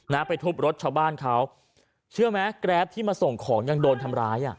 ไปทุบรถชาวบ้านเขาเชื่อไหมแกรปที่มาส่งของยังโดนทำร้ายอ่ะ